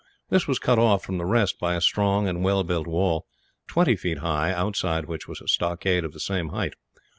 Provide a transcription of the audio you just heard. This was cut off from the rest by a strong and well built wall, twenty feet high, outside which was a stockade of the same height.